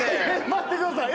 待ってください！